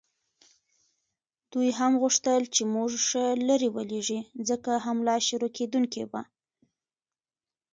دوی هم غوښتل چې موږ ښه لرې ولیږي، ځکه حمله شروع کېدونکې وه.